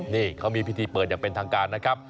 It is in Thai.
นี่เขามีพิธีเปิดอย่างเป็นทางการนะครับ